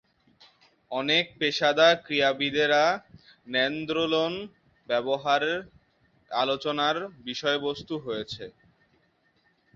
অনেক পেশাদার ক্রীড়াবিদের ন্যান্ড্রোলন ব্যবহার আলোচনার বিষয়বস্তু হয়েছে।